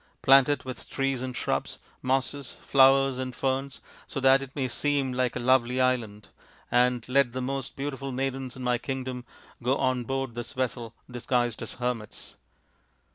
Plant it with trees and shrubs, mosses, flowers, and ferns, so that it may seem like a lovely island, and let the most beautiful maidens in my kingdom go on 262 THE INDIAN STORY BOOK board this vessel disguised as hermits.